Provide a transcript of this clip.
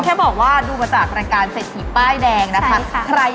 แถมฟรี๑ซุปนะคะสามารถแจ้งพนักงานได้เลย